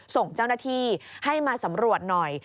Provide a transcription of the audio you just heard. ส่งเจ้าหน้าที่ให้มาสำรวจหน่อย